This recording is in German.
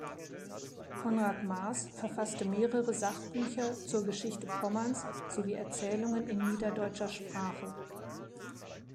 Konrad Maß verfasste mehrere Sachbücher zur Geschichte Pommerns sowie Erzählungen in niederdeutscher Sprache.